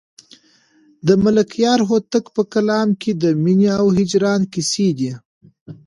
د ملکیار هوتک په کلام کې د مینې او هجران کیسې دي.